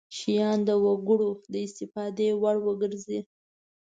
شیان د وګړو د استفادې وړ وګرځي.